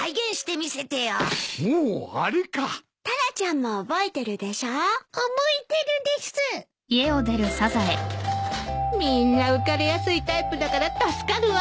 みんな浮かれやすいタイプだから助かるわ